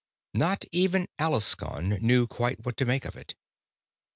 Not even Alaskon knew quite what to make of it.